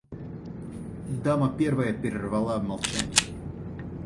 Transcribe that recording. Дама первая перервала молчание.